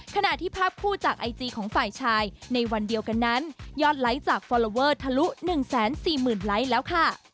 ขณะที่ภาพคู่จากไอจีของฝ่ายชายในวันเดียวกันนั้นยอดไลค์จากฟอลลอเวอร์ทะลุ๑๔๐๐๐ไลค์แล้วค่ะ